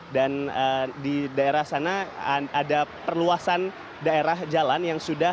dan di daerah sana ada perluasan daerah jalan yang sudah diambil